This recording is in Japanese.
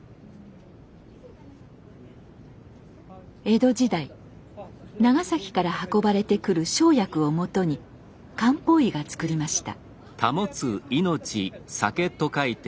江戸時代長崎から運ばれてくる生薬をもとに漢方医がつくりました。